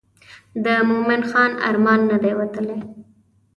د مومن خان ارمان نه دی وتلی.